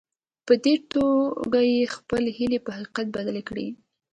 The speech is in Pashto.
په دې توګه يې خپلې هيلې په حقيقت بدلې کړې.